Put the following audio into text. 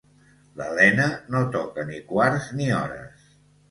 L'Elena no toca ni quarts ni hores.